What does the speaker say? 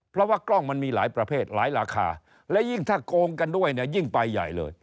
เพราะว่ากล้องมันมีหลายประเภทหลายราคาและยิ่งถ้าโกงกันด้วยเนี่ยยิ่งไปใหญ่เลย